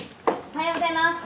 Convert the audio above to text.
おはようございます。